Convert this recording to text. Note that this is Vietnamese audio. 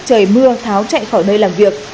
trời mưa tháo chạy khỏi nơi làm việc